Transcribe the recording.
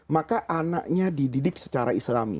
maka anaknya dididik secara islami